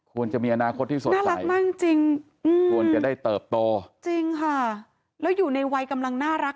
ควรจะมีอนาคตที่สดใสมากจริงควรจะได้เติบโตจริงค่ะแล้วอยู่ในวัยกำลังน่ารัก